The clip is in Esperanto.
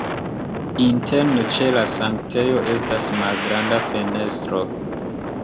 Interne ĉe la sanktejo estas malgranda fenestro.